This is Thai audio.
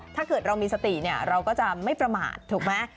ถ้าเกิดเรามีสติเนี่ยเราก็จะไม่ประมาทถูกไหม